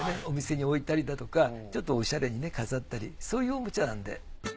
お店に置いたりだとかちょっとおしゃれに飾ったりそういうおもちゃなんで。